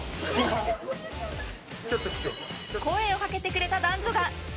声をかけてくれた男女が。